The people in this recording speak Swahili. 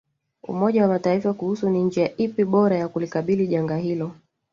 Umoja wa Mataifa kuhusu ni njia ipi bora ya kulikabili janga hilo